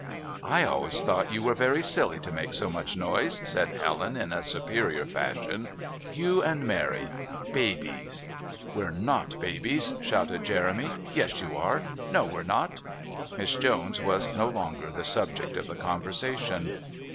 "I always thought you were very silly to make so much noise," said Helen in a superior fashion. "You and Mary babies!" "We're not babies," shouted Jeremy. "Yes, you are." "No, we're not." Miss Jones was no longer the subject of the conversation.